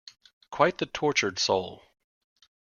Quite the tortured soul.